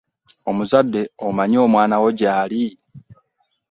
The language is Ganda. Omuzadde omanyi omwana wo gyali?